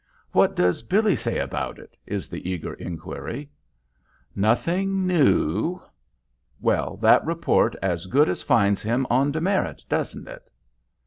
"What does Billy say about it?" is the eager inquiry. "Nothing new." "Well, that report as good as finds him on demerit, doesn't it?"